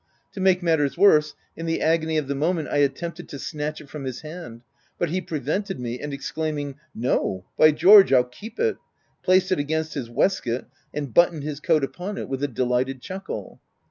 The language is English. To make matters worse OF WILDFELL HALL. 325 in the agony of the moment, I attempted to snatch it from his hand ;— but he prevented me, and exclaiming, "No — by George, I'll keep it !" placed it against his waistcoat, and buttoned his coat upon it with a delighted chuckle.